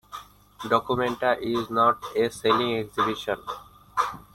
"Documenta" is not a selling exhibition.